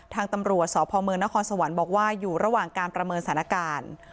ทางตำรวจสพเมืองนครสวรรค์บอกว่าอยู่ระหว่างการประเมินสถานการณ์